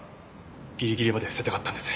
ギリギリまで伏せたかったんです。